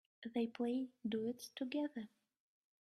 They play duets together.